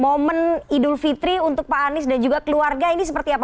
momen idul fitri untuk pak anies dan juga keluarga ini seperti apa